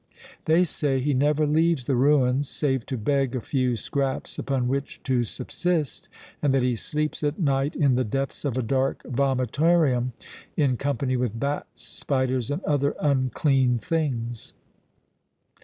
They say he never leaves the ruins, save to beg a few scraps upon which to subsist, and that he sleeps at night in the depths of a dark vomitarium in company with bats, spiders and other unclean things."